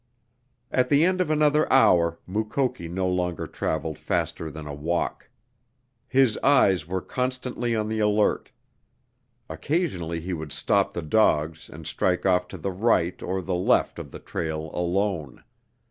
At the end of another hour Mukoki no longer traveled faster than a walk. His eyes were constantly on the alert. Occasionally he would stop the dogs and strike off to the right or the left of the trail alone.